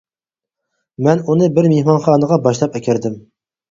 مەن ئۇنى بىر مېھمانخانىغا باشلاپ ئەكىردىم.